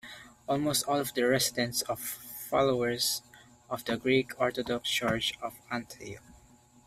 Almost all the residents are followers of the Greek Orthodox Church of Antioch.